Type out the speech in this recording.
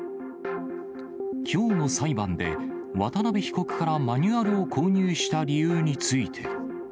きょうの裁判で、渡辺被告からマニュアルを購入した理由について。